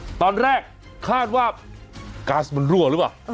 ถังก๊าซเนี่ยแหละครับตอนแรกคาดว่าก๊าซมันรั่วหรือเปล่า